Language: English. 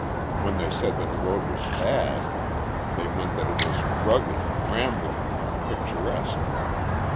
When they said that a road was bad they meant that it was rugged, rambling and picturesque.